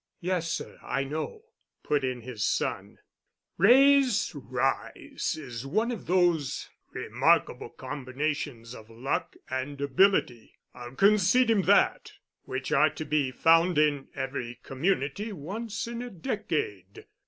"Yes, sir, I know," put in his son. "Wray's rise is one of those remarkable combinations of luck and ability—I'll concede him that—which are to be found in every community once in a decade.